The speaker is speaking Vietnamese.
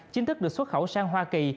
chính thức được xuất khẩu sang hoa kỳ